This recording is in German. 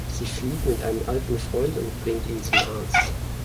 Sie flieht mit einem alten Freund und bringt ihn zum Arzt.